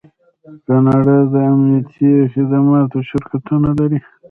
کاناډا د امنیتي خدماتو شرکتونه لري.